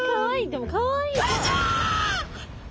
でもかわいい。